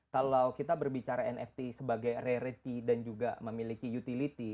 kalau kita berbicara nft sebagai reality dan juga memiliki utility